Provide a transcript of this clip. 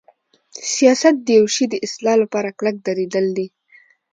سیاست د یوشی د اصلاح لپاره کلک دریدل دی.